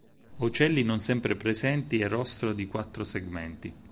Ocelli non sempre presenti e rostro di quattro segmenti.